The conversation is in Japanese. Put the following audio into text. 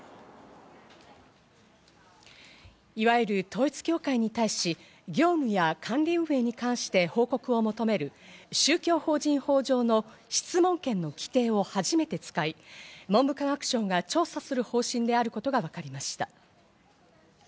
いわゆる統一協会に対し、業務や管理運営に対して報告を求める、宗教法人法上の質問権の規定を初めて使い、文部科学省が調査する方針であることがわかりました。